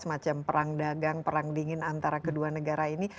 semacam perang dagang perang dingin antara kedua negara ini